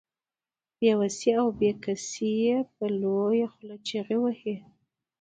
بې وسي او بې کسي يې په لويه خوله چيغې وهي.